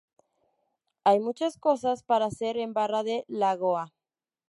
Hay muchas cosas para hacer en Barra de Lagoa.